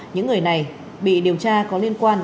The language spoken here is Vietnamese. những người này bị điều tra có liên quan